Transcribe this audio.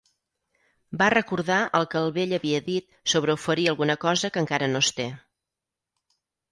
Va recordar el que el vell havia dit sobre oferir alguna cosa que encara no es té.